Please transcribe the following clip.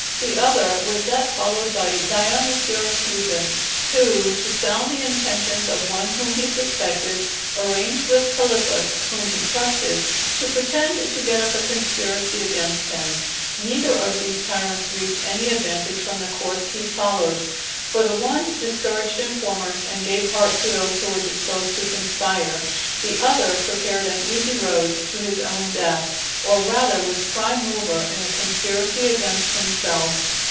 The other was that followed by Dion the Syracusan, who, to sound the intentions of one whom he suspected, arranged with Calippus, whom he trusted, to pretend to get up a conspiracy against him. Neither of these tyrants reaped any advantage from the course he followed. For the one discouraged informers and gave heart to those who were disposed to conspire, the other prepared an easy road to his own death, or rather was prime mover in a conspiracy against himself.